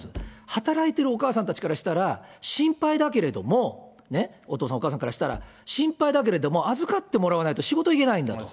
働いてるお母さんたちからしたら、心配だけれども、ね、お父さん、お母さんからしたら、心配だけれども、預かってもらわないと仕事行けないんだ。